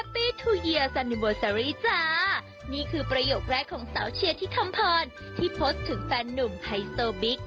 โปรดติดตามตอนต่อไป